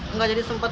enggak jadi sempat